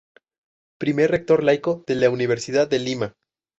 Primer rector laico de la Universidad de Lima.